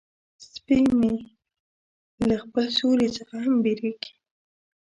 سپي مې له خپل سیوري څخه هم بیریږي.